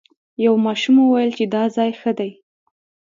یو ماشوم وویل چې دا ځای ښه دی.